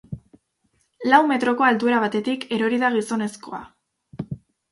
Lau metroko altuera batetik erori da gizonezkoa.